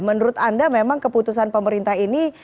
menurut anda memang keputusan pemerintah ini